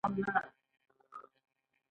ټول بزګران په وحشیانه ډول په دار وځړول شول.